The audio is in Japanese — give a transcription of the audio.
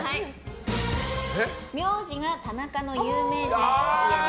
名字が田中の有名人といえば？